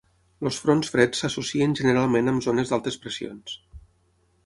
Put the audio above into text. Els fronts freds s'associen generalment amb zones d'altes pressions.